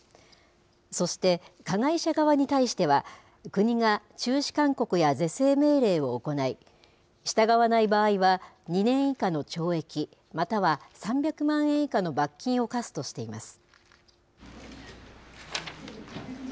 そして、加害者側に対しては、国が中止勧告や是正命令を行い、従わない場合は、２年以下の懲役、または３００万円以下の罰金を科すとしています。